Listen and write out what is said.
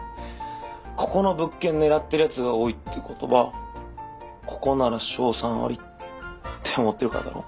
ここの物件狙ってるヤツが多いってことはここなら勝算ありって思ってるからだろ。